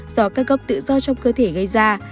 do các gốc tự do trong cơ thể gây ra